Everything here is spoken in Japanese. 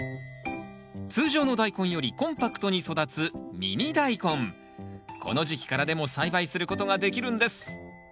通常のダイコンよりコンパクトに育つこの時期からでも栽培することができるんです